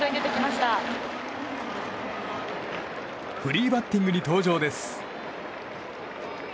フリーバッティングに登場です。